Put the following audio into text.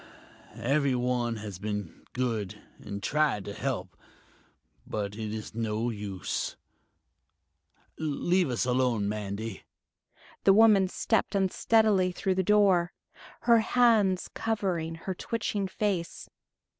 Everyone has been good and tried to help, but it is no use.... Leave us alone, Mandy." The woman stepped unsteadily through the door, her hands covering her twitching face.